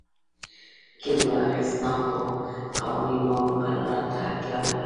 کلیو اغېزناکو قوانینو او مقرراتو ته اړتیا لرله